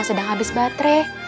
sedang habis baterai